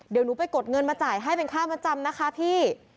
เดี๋ยวหนูไปกดเงินมาจ่ายให้เป็นค่ามัดจำนะคะพี่